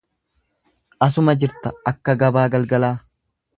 Asuma jirta akka gabaa galagala.